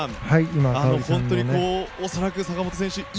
本当に、恐らく坂本選手